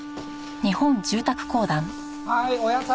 はいお野菜。